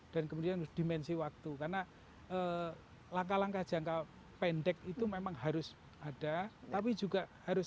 dan kemudian dimensi waktu karena langkah langkah jangka pendek itu memang harus ada tapi juga harus